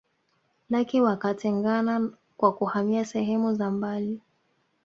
Lakini wakatengana kwa kuhamia sehemu za mbali